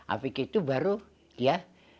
apik itu baru dia